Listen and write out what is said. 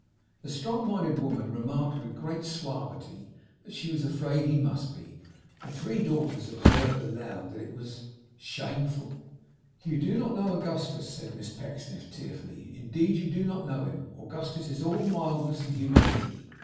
The strong minded woman remarked with great suavity, that she was afraid he must be. Her three daughters observed aloud that it was 'Shameful!' 'You do not know Augustus,' said Miss Pecksniff, tearfully, 'indeed you do not know him. Augustus is all mildness and humility.